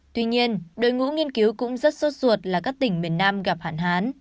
tuy nhiên đội ngũ nghiên cứu cũng rất sốt ruột là các tỉnh miền nam gặp hạn hán